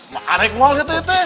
makan rekmal gitu ya teh